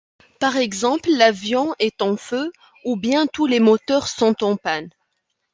Par exemple, l'avion est en feu, ou bien tous les moteurs sont en panne.